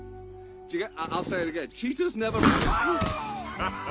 ハハハハ！